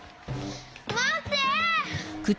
まって！